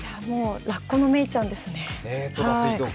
ラッコのメイちゃんですね。